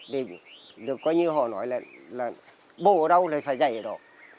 được coi như họ nói là bố ở đâu thì phải dạy ở đó